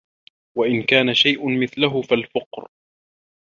وَإِنْ كَانَ شَيْءٌ مِثْلَهُ فَالْفَقْرُ